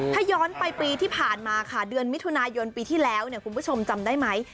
ถ้าย้อนไปปีที่ผ่านมาค่ะเดือนมิถุนายนปีที่แล้วคุณผู้ชมจำได้ไหม